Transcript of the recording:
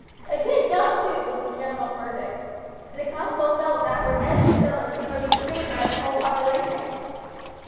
"A good job too," was the general verdict; and the constable felt that were Ned in the village he would be screened by the whole population.